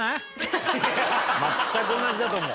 全く同じだと思う。